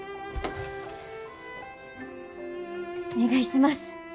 お願いします。